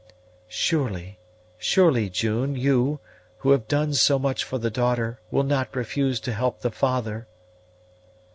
"Surely, surely, June, you, who have done so much for the daughter, will not refuse to help the father?"